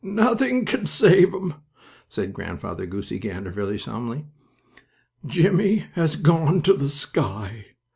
"Nothing can save him!" said Grandfather Goosey Gander, very solemnly, "Jimmie has gone to the sky!"